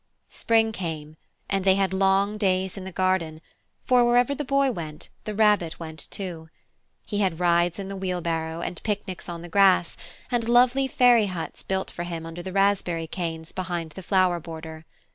Spring came, and they had long days in the garden, for wherever the Boy went the Rabbit went too. He had rides in the wheelbarrow, and picnics on the grass, and lovely fairy huts built for him under the raspberry canes behind the flower border.